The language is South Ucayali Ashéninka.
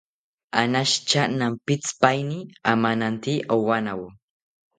Anashitya nampitzipaini amanante owanawo